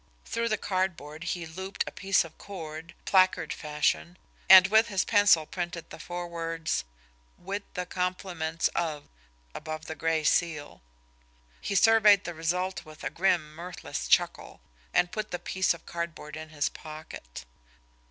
Through the cardboard he looped a piece of cord, placard fashion, and with his pencil printed the four words "with the compliments of " above the gray seal. He surveyed the result with a grim, mirthless chuckle and put the piece of cardboard in his pocket.